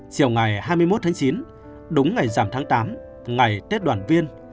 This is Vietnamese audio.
chiều ngày hai mươi một tháng chín đúng ngày giảm tháng tám ngày tết đoàn viên